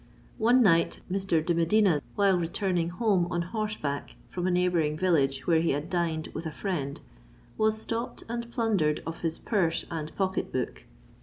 One night Mr. de Medina, while returning home on horseback from a neighbouring village where he had dined with a friend, was stopped and plundered of his purse and pocket book.